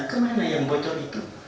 kemana yang bocor itu